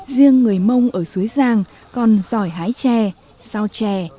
riêng người mông ở suối giang còn giỏi hái trẻ sao trẻ